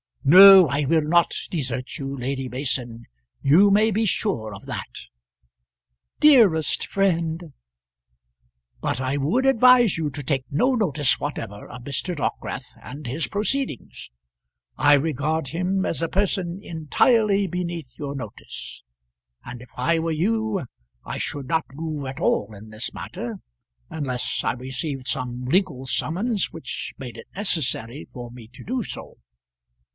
"No, I will not desert you, Lady Mason; you may be sure of that." "Dearest friend!" "But I would advise you to take no notice whatever of Mr. Dockwrath and his proceedings. I regard him as a person entirely beneath your notice, and if I were you I should not move at all in this matter unless I received some legal summons which made it necessary for me to do so.